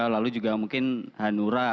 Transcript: lalu juga mungkin hanura